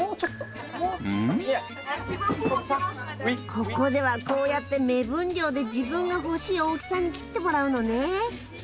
ここではこうやって目分量で自分が欲しい大きさに切ってもらうのね。